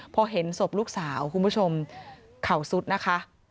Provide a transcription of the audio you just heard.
พอเห็นศพลูกสาวคุณผู้ชมเข่าสุดนะคะ